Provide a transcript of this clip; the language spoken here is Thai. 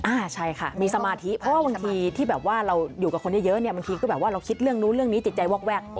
อ่าใช่ค่ะมีสมาธิเพราะว่าบางทีที่แบบว่าเราอยู่กับคนเยอะเนี่ยบางทีก็แบบว่าเราคิดเรื่องนู้นเรื่องนี้จิตใจวอกแวก